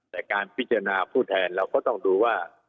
แต่การพิจารณาผู้แทนเราก็ต้องดูว่า